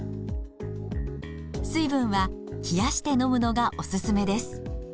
水分は冷やして飲むのがおすすめです。